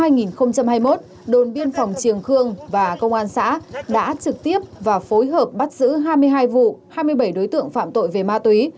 năm hai nghìn hai mươi một đồn biên phòng triềng khương và công an xã đã trực tiếp và phối hợp bắt giữ hai mươi hai vụ hai mươi bảy đối tượng phạm tội về ma túy